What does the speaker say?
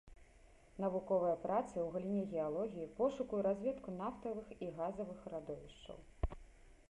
Навуковыя працы ў галіне геалогіі, пошуку і разведкі нафтавых і газавых радовішчаў.